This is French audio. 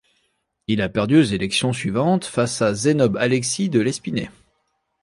Il perdu aux élections suivantes face à Zénobe Alexis de Lespinay.